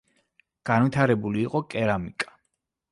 განვითარებული იყო კერამიკა.